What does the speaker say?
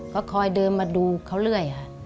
ก็คอยเดินมาดูเขาเรื่อยค่ะ